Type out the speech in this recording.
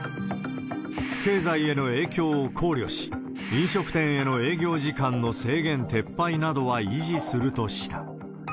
経済への影響を考慮し、飲食店への営業時間の制限撤廃などは維持するとした。